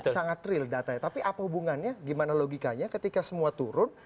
sangat real datanya tapi apa hubungannya gimana logikanya ketika semua turun